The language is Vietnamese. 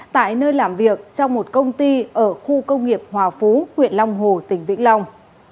tại nơi làm việc trong một công ty ở khu công nghiệp hòa phú huyện long hồ tỉnh vĩnh long